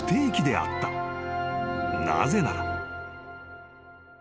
［なぜなら］